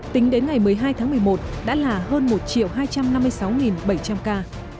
tính đến ngày một mươi hai tháng một mươi một đã là hơn một hai trăm năm mươi sáu bảy trăm linh ca